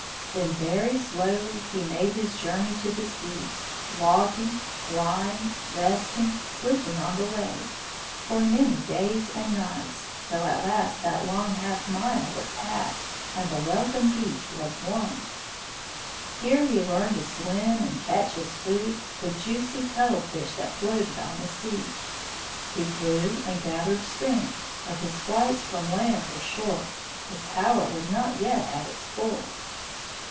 Then very slowly he made his journey to the sea, walking, flying, resting, sleeping on the way, for many days and nights, till at last that long half mile was passed, and the welcome beach was won. Here he learned to swim and catch his food, the juicy cuttle fish that floated on the sea. He grew and gathered strength, but his flights from land were short his power was not yet at its full.